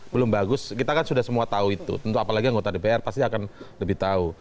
belum bagus kita kan sudah semua tahu itu tentu apalagi anggota dpr pasti akan lebih tahu